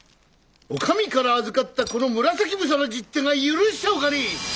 お上から預かったこの紫房の十手が許しちゃおかねえ！